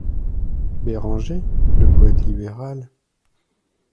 Béranger, le poète libéral.